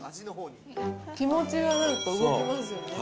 気持ちがなんか動きますよね。